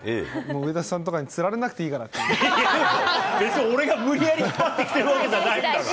上田さんとかにつられなくていいいやいや、俺が無理やり引っ張ってきてるわけじゃないんだから。